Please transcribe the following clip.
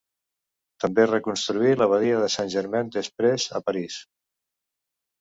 També reconstruí l'abadia de Saint-Germain-des-Prés, a París.